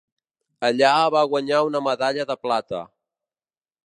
Allà va guanyar una medalla de plata.